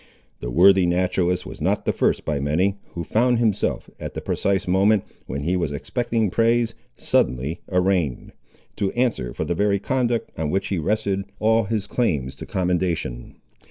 The worthy naturalist was not the first by many, who found himself, at the precise moment when he was expecting praise, suddenly arraigned, to answer for the very conduct on which he rested all his claims to commendation.